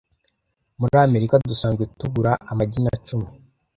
Muri Amerika, dusanzwe tugura amagi na cumi.